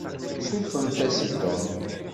Ssurfemt-as i Tom.